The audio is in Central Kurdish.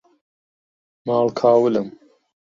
ماڵ کاولم